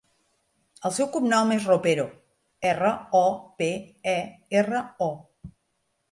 El seu cognom és Ropero: erra, o, pe, e, erra, o.